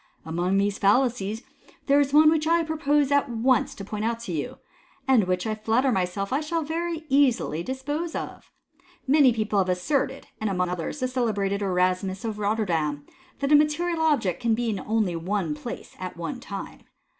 *' Among these fallacies there is one which I propose at once to point out to you, and which I flatter myself I shall very easily dispose of. Many people have asserted, and, among others, the celebrated Erasmus of Rotterdam, that a material object can only be in one place at one time.